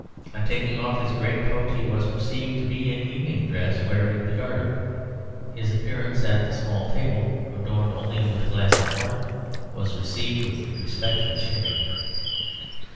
On taking off his great coat, he was perceived to be in evening dress, wearing the Garter. His appearance at the small table, adorned only with a glass of water, was received with respectful cheering.